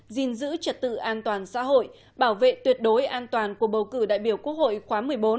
gìn giữ trật tự an toàn xã hội bảo vệ tuyệt đối an toàn của bầu cử đại biểu quốc hội khóa một mươi bốn